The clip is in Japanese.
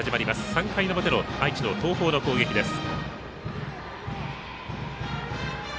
３回の表の愛知の東邦の攻撃です。